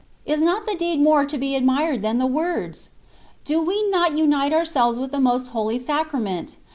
Is not the deed moFe to be admired [than the words ?] Do we not unite our selves with the Most Holy Sacrament?